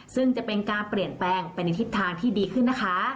ซึ่งจะเป็นการเปลี่ยนแปลงไปในทิศทางที่ดีขึ้นนะคะ